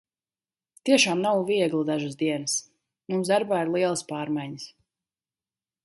Tiešām nav viegli dažas dienas. Mums darbā ir lielas pārmaiņas.